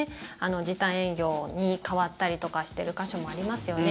時短営業に変わったりとかしてる箇所もありますよね。